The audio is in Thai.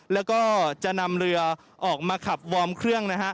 แล้วก็จะนำเรือออกมาขับวอร์มเครื่องนะฮะ